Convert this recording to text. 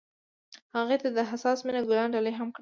هغه هغې ته د حساس مینه ګلان ډالۍ هم کړل.